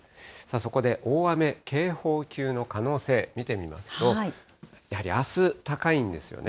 そこで大雨警報級の可能性見てみますと、やはりあす、高いんですよね。